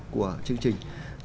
của chương trình